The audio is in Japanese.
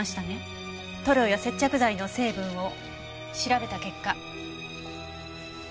塗料や接着剤の成分を調べた結果。